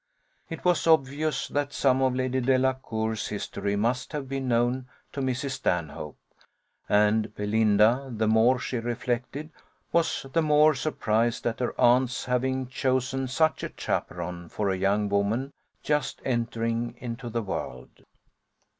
It was obvious that some of Lady Delacour's history must have been known to Mrs. Stanhope; and Belinda, the more she reflected, was the more surprised at her aunt's having chosen such a chaperon for a young woman just entering into the world.